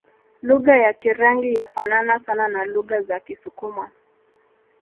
Lugha ya Kirangi yafanana sana na lugha za Kisukuma